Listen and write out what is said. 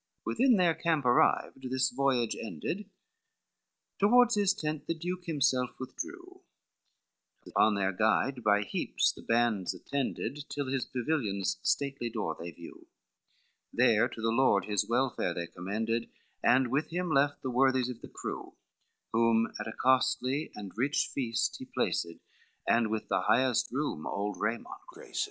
XVI Within their camp arrived, this voyage ended, Toward his tent the duke himself withdrew, Upon their guide by heaps the bands attended, Till his pavilion's stately door they view, There to the Lord his welfare they commended, And with him left the worthies of the crew, Whom at a costly and rich feast he placed, And with the highest room old Raymond graced.